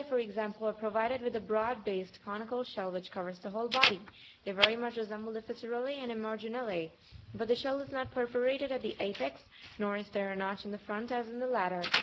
78), for example, are provided with a broad based, eonical shell, which covers the whole body ; they very much resemble the Fissurel lz and Emarginule, but the shell is not perforated at the apex, nor is there a notch in front as in the latter.